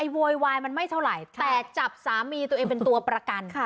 โวยวายมันไม่เท่าไรแต่จับสามีเท่ากันตัวประกัน